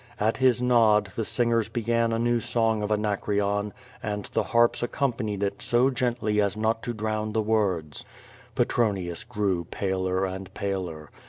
At his nod the singers began a new song of Anacreon, and the harps accompanied it so gently as not to drown the words. Petron ius grew paler and paler.